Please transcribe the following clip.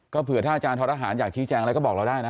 เผื่อถ้าอาจารย์ทรหารอยากชี้แจงอะไรก็บอกเราได้นะ